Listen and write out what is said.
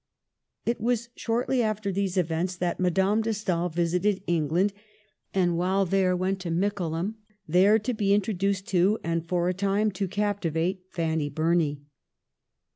It was shortly after these events that Madame de Stael visited England, and while there went to Mickleham, there to be introduced to, and for a time to captivate, Fanny Burney.